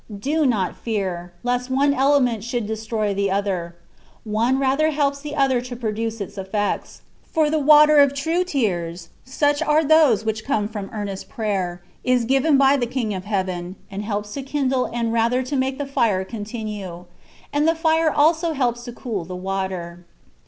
Do not fear, lest one element should destroy the other: one rather helps the other to produce its effect ; for the*water of true tears, such are those which come from earnest prayer, is given by the King of heaven, and helps to kindle and rather to make the fire continue ; and the fire also helps to cool the water.